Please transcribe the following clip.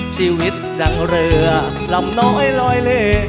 ชีวิตดังเรือลำน้อยลอยเล